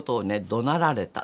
どなられた。